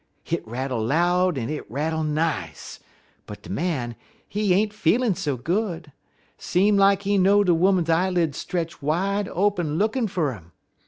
Hit rattle loud en hit rattle nice, but de Man, he ain't feel so good. Seem like he know de 'Oman eyeled stretch wide open lookin' fer 'im.